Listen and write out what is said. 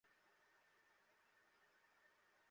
ফালতু কথা বলো না।